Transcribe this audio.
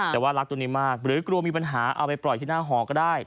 แต่ว่ารักตัวนี้มากหรือกลัวมีปัญหาเอาไปปล่อยที่หน้าหอก็ได้